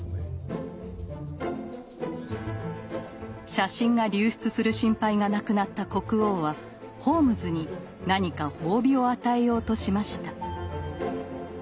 写真が流出する心配がなくなった国王はホームズに何か褒美を与えようとしました。